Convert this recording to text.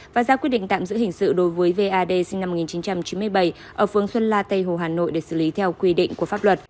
và ra quyết định tạm giữ hình sự đối với vad sinh năm một nghìn chín trăm chín mươi bảy ở phương xuân la tây hồ hà nội để xử lý theo quy định của pháp luật